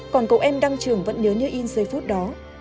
còn cậu em đăng trường vẫn nhớ như in giây phút đó